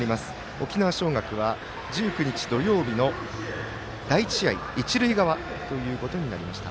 沖縄尚学は１９日土曜日の第１試合一塁側ということになりました。